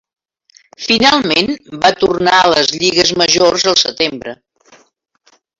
Finalment, va tornar a les lligues majors al setembre.